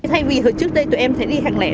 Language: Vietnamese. thay vì hồi trước đây tụi em sẽ đi hàng lẻ